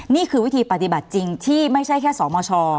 นี่คือวิธีปฏิบัติจริงที่ไม่ใช่แค่สมช